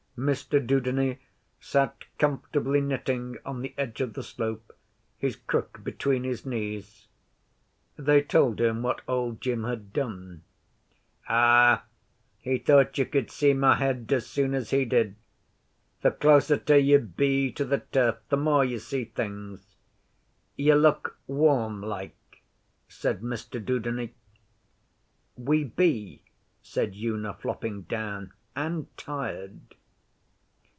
Mr Dudeney sat comfortably knitting on the edge of the slope, his crook between his knees. They told him what Old Jim had done. 'Ah, he thought you could see my head as soon as he did. The closeter you be to the turf the more you see things. You look warm like,' said Mr Dudeney. 'We be,' said Una, flopping down. 'And tired.